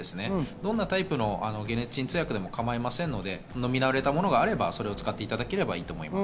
どんなタイプの解熱鎮痛薬でも構いませんので、飲みなれたものがあれば、それを使っていただいていいと思います。